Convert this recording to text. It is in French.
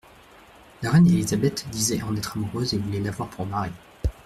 La reine Élisabeth disait en être amoureuse et voulait l'avoir pour mari.